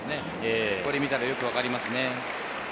これを見るとよくわかりますね。